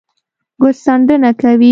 ګوتڅنډنه کوي